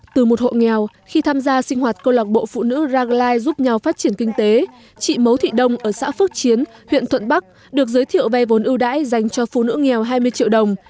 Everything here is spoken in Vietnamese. từ một hộ nghèo khi tham gia sinh hoạt câu lạc bộ phụ nữ raglai giúp nhau phát triển kinh tế chị mấu thị đông ở xã phước chiến huyện thuận bắc được giới thiệu vay vốn ưu đãi dành cho phụ nữ nghèo hai mươi triệu đồng